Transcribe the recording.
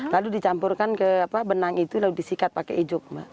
lalu dicampurkan ke benang itu lalu disikat pakai ijuk mbak